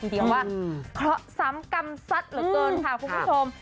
เดียวว่าเคราะห์ซ้ำกรรมซัดเหลือเกินค่ะคุณผู้ชม